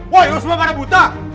woy lo semua pada buta